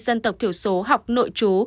dân tộc thiểu số học nội trú